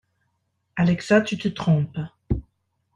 Alexa, tu te trompes.